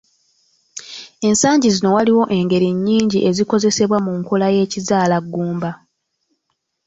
Ensangi zino waliwo engeri nnyingi ezikozesebwa mu nkola eya Kizaalaggumba.